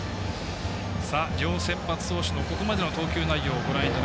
両先発投手のここまでの投球内容です。